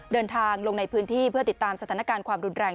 ลงในพื้นที่เพื่อติดตามสถานการณ์ความรุนแรง